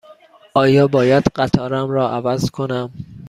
آیا باید قطارم را عوض کنم؟